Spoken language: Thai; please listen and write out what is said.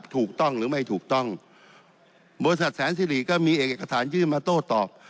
ถูกต้องหรือไม่ถูกต้องบริษัทแสนสิริก็มีเอกสารยื่นมาโต้ตอบ